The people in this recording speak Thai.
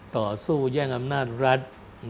ต่อสู้แย่งอำนาจรัฐ